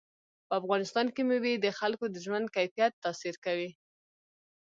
په افغانستان کې مېوې د خلکو د ژوند کیفیت تاثیر کوي.